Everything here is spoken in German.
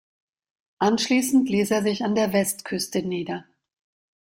Anschließend ließ er sich an der Westküste nieder.